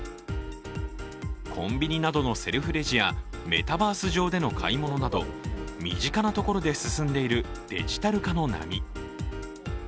コンビニなどのセルフレジやメタバース上での買い物など、身近なところで進んでいるデジタル化の波。